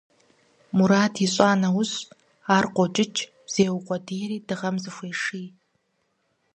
Мурад ищӀа нэужь, ар къокӀыкӀ, зеукъуэдийри дыгъэм зыхуеший.